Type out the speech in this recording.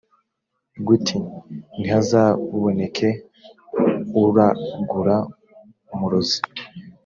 gut ntihazaboneke uragura umurozi